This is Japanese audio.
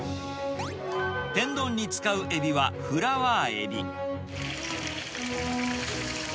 天丼に使うエビはフラワーエビ。